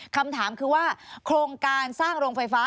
คำถามคือว่าโครงการสร้างโรงไฟฟ้า